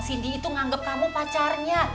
cindy itu nganggep kamu pacarnya